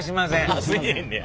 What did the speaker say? あっせえへんねや。